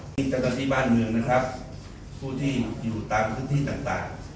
เจ้าหน้าที่บ้านเมืองนะครับผู้ที่อยู่ตามพื้นที่ต่าง